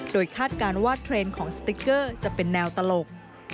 โดยคาดการณ์ว่าเทรนด์ของสติ๊กเกอร์จะเป็นแนวตลก